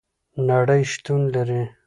نړۍ شتون لري